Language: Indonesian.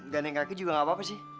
gandeng kaki juga gak apa apa sih